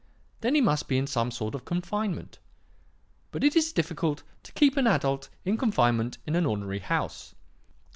Then he must be in some sort of confinement. But it is difficult to keep an adult in confinement in an ordinary house.